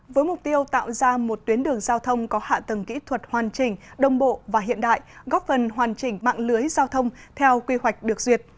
với mục tiêu tạo ra một tuyến đường giao thông có hạ tầng kỹ thuật hoàn chỉnh đồng bộ và hiện đại góp phần hoàn chỉnh mạng lưới giao thông theo quy hoạch được duyệt